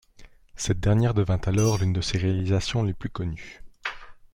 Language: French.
Cette dernière devint alors l'une de ses réalisations les plus connues.